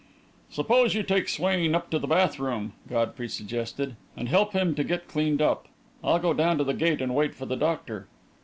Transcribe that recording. "Suppose you take Swain up to the bath room," Godfrey suggested, "and help him to get cleaned up. I'll go down to the gate and wait for the doctor."